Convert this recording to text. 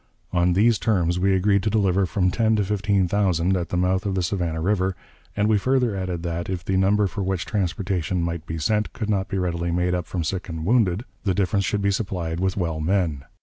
On these terms, we agreed to deliver from ten to fifteen thousand at the mouth of the Savannah River; and we further added that, if the number for which transportation might be sent could not be readily made up from sick and wounded, the difference should be supplied with well men.